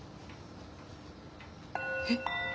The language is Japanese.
えっ！